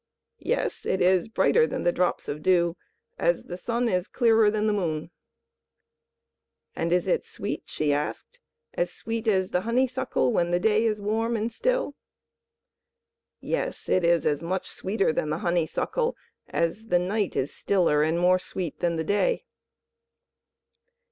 "Yes, it is brighter than the drops of dew as the sun is clearer than the moon." "And is it sweet," she asked, "as sweet as the honeysuckle when the day is warm and still?" "Yes, it is as much sweeter than the honeysuckle as the night is stiller and more sweet than the day."